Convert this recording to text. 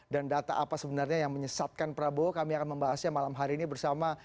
dan data apa sebenarnya yang menyesatkan prabowo kami akan membahasnya malam hari ini bersama